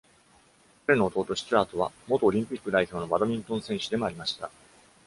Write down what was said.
彼の弟ステュアートは元オリンピック代表のバドミントン選手でもありました。